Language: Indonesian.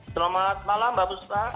selamat malam mbak bustra